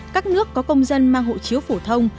các nước có công dân mang hộ chiếu phổ thông